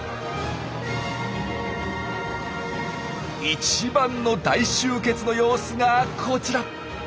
一番の大集結の様子がこちら。